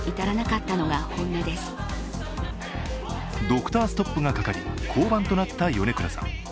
ドクターストップがかかり、降板となった米倉さん。